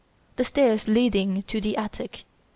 Stairs leading to the attic.